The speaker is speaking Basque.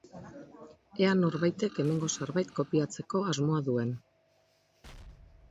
Ea norbaitek hemengo zerbait kopiatzeko asmoa duen.